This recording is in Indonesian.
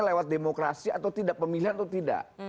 lewat demokrasi atau tidak pemilihan atau tidak